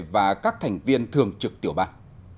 và các thành viên thường trực tiểu ban